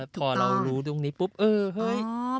พอเรารู้ตรงนี้ปุ๊บเออเฮ้ย